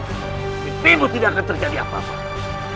demo tidak akan terjadi apa apa